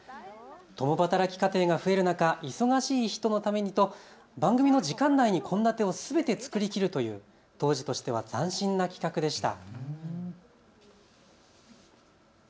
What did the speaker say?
共働き家庭が増える中、忙しい人のためにと番組の時間内に献立をすべて作りきるという当時としては斬新な企画でした。